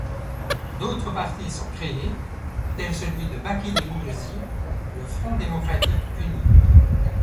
D'autres partis sont créés tel celui de Bakili Muluzi, le Front démocratique uni.